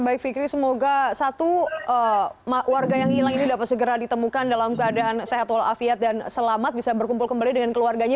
baik fikri semoga satu warga yang hilang ini dapat segera ditemukan dalam keadaan sehat walafiat dan selamat bisa berkumpul kembali dengan keluarganya